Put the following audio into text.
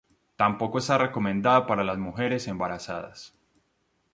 Tampoco está recomendada para las mujeres embarazadas.